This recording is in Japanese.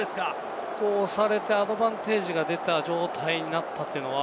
押されてアドバンテージが出た状態になったというのは、